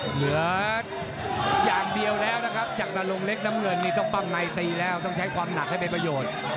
เหลืออย่างเดียวแล้วนะครับจากนรงเล็กน้ำเงินนี่ต้องปั้งในตีแล้วต้องใช้ความหนักให้เป็นประโยชน์